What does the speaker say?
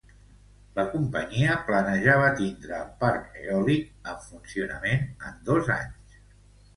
La companyia planejava tindre el parc eòlic en funcionament en dos anys.